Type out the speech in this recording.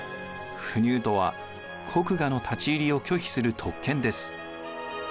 不入とは国衙の立ち入りを拒否する特権です。